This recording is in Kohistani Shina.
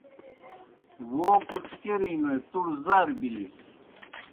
وو پُڇ کیْہ رِینوئے تُوڑ زار بِلِس۔